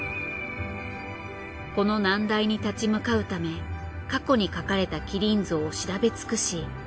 この難題に立ち向かうため過去に描かれた麒麟像を調べ尽くし